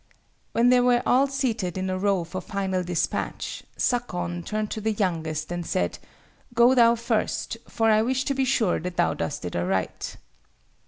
"When they were all seated in a row for final despatch, Sakon turned to the youngest and said—'Go thou first, for I wish to be sure that thou doest it aright.